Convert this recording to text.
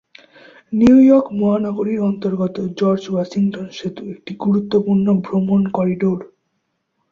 New York মহানগরীর অন্তর্গত George Washington সেতু একটি গুরুত্বপূর্ণ ভ্রমণ করিডোর।